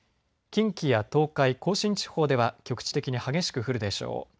近畿や東海、甲信地方では局地的に激しく降るでしょう。